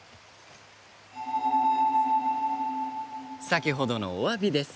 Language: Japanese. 先ほどのおわびです